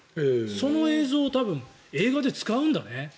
その映像を多分、映画で使うんだね。